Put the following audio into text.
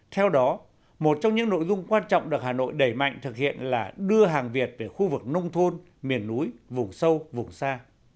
theo đó một trong những nội dung quan trọng được hà nội đẩy mạnh thực hiện là đưa hàng việt về khu vực nông thôn miền núi vùng sâu vùng xa